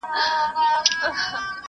یوسف په خوب کي لټومه زلیخا ووینم.!